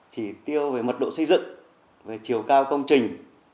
chỉ tiêu về mật độ xây dựng về chiều cao công trình